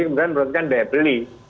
kemudian menurutkan beli